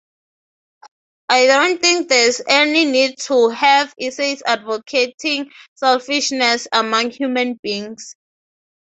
I don't think there's any need to have essays advocating selfishness among human beings.